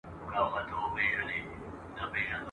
تر يو څو جرګو را وروسته !.